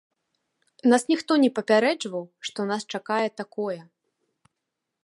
Нас ніхто не папярэджваў, што нас чакае такое.